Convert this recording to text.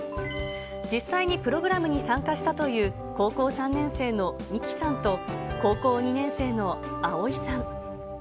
実際にプログラムに参加したという高校３年生のみきさんと、高校２年生のあおいさん。